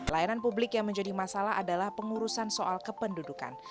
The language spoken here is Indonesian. layanan publik yang menjadi masalah adalah pengurusan soal kependudukan